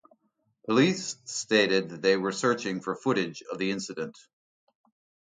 Police stated they were searching for footage of the incident.